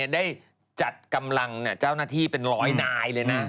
ได้จัดกำลังเจ้าหน้าที่เป็นร้อยนายเลยนะ